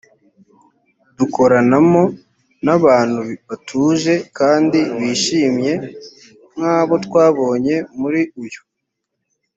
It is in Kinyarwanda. dukoranamo n abantu batuje kandi bishimye nk abo twabonye muri uyu